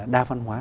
đa văn hóa